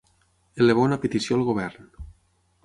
Elevar una petició al govern.